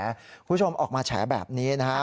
คุณผู้ชมออกมาแฉแบบนี้นะฮะ